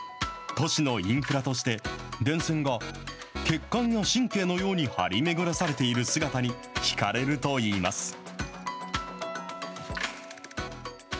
都市のインフラとして、電線が血管や神経のように張り巡らされている姿に引かれるといいます。